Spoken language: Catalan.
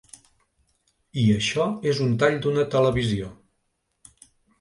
I això és un tall d’una televisió.